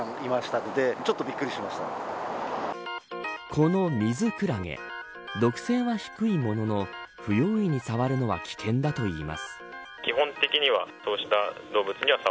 このミズクラゲ毒性は低いものの不用意に触るのは危険だといいます。